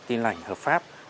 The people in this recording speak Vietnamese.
tin lạnh hợp pháp